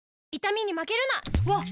わっ！